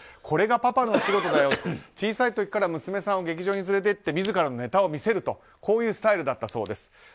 これがパパのお仕事だよと小さい時から娘さんを劇場に連れて行って自らのネタを見せるこういうスタイルだったそうです。